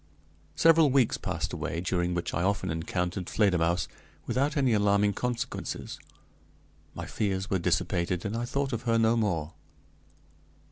Several weeks passed away, during which I often encountered Fledermausse without any alarming consequences. My fears were dissipated, and I thought of her no more.